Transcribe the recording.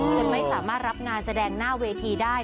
จนไม่สามารถรับงานแสดงหน้าเวทีได้